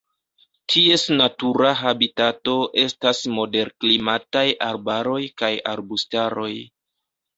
Ties natura habitato estas moderklimataj arbaroj kaj arbustaroj.